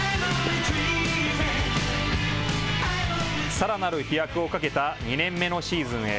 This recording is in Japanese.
さらなる飛躍をかけた２年目のシーズンへ。